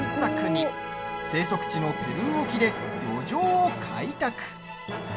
生息地のペルー沖で漁場を開拓。